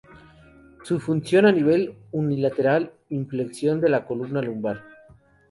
Su función a nivel unilateral: inflexión de la columna lumbar.